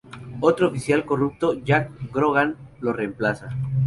Otro oficial corrupto, Jack Grogan, lo reemplaza.